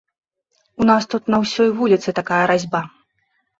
У нас тут на ўсёй вуліцы такая разьба!